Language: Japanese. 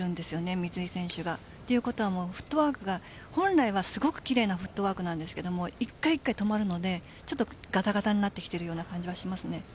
水井選手が。ということはフットワークが本来はすごく奇麗なフットワークなんですが１回１回、止まるのでガタガタになっているような感じがします。